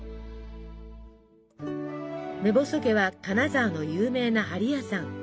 目細家は金沢の有名な針屋さん。